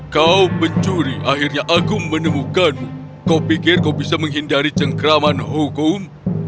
kau pencuri akhirnya aku menemukanmu kau pikir kau bisa menghindari cengkraman hukum